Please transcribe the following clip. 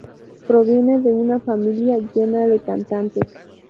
Proviene de una familia llena de cantantes.